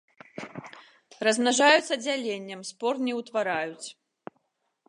Размнажаюцца дзяленнем, спор не утвараюць.